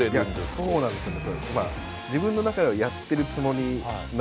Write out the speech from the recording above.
そうなんですよね。